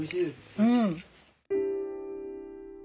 うん！